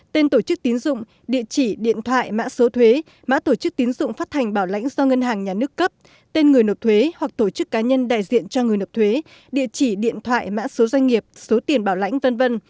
tên tổ chức tín dụng địa chỉ điện thoại mã số thuế mã tổ chức tín dụng phát thành bảo lãnh do ngân hàng nhà nước cấp tên người nộp thuế hoặc tổ chức cá nhân đại diện cho người nộp thuế địa chỉ điện thoại mã số doanh nghiệp số tiền bảo lãnh v v